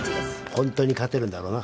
ホントに勝てるんだろうな？